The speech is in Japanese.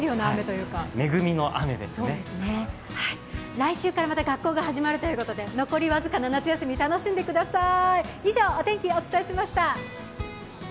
来週からまた学校が始まるということで残り僅かな夏休み、楽しんでください。